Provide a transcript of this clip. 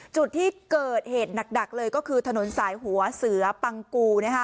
จุดที่เกิดเหตุหนักเลยก็คือถนนสายหัวเสือปังกู